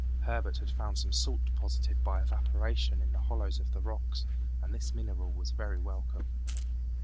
Herbert had found some salt deposited by evaporation in the hollows of the rocks, and this mineral was very welcome.